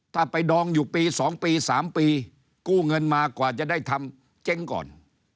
ถ้าไปดองอยู่ปี๒ปี๓ปีกู้เงินมากว่าจะได้ทำเจ๊งก่อน